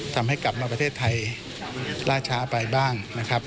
ทำให้กลับมาประเทศไทยล่าช้าไปบ้างนะครับ